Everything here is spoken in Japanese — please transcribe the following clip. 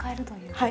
はい。